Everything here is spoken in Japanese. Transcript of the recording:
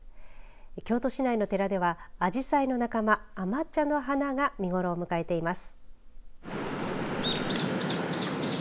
京都市内の寺ではアジサイの仲間アマチャの花が見頃を迎えています。